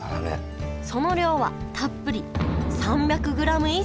その量はたっぷり３００グラム以上！